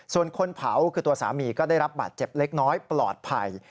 ส่วนคนเผาคือตัวสามีก็ได้รับบาดเจ็บเล็กน้อยปลอดภัย